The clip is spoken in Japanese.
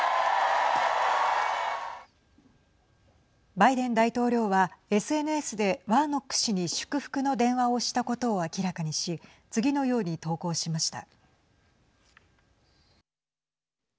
バイデン大統領はＳＮＳでワーノック氏に祝福の電話をしたことを明らかにし次のように投稿しました。